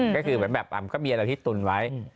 ก็คือมีอะไรที่ตุนไว้